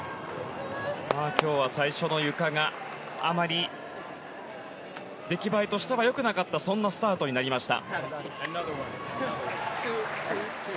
今日は最初のゆかがあまり出来栄えとしては良くなかったそんなスタートになりました。